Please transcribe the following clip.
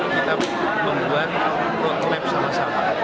kita membuat roadmap sama sama